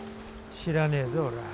知らねえぞ俺は。